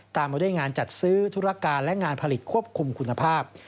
มาด้วยงานจัดซื้อธุรการและงานผลิตควบคุมคุณภาพ